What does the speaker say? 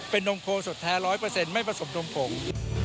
เป็นนมโครสุดแท้ร้อยเปอร์เซ็นต์ไม่ผสมนมผง